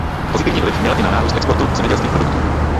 Pozitivní vliv měl i nárůst exportu zemědělských produktů.